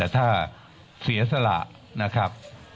ถ้าเสียสละนะครับ